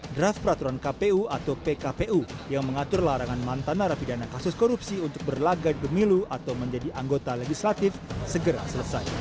draft peraturan kpu atau pkpu yang mengatur larangan mantan narapidana kasus korupsi untuk berlagak di pemilu atau menjadi anggota legislatif segera selesai